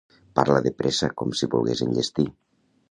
Parla de pressa, com si volgués enllestir.